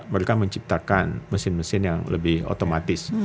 mereka menciptakan mesin mesin yang lebih otomatis